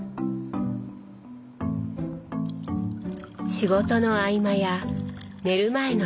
仕事の合間や寝る前のひととき。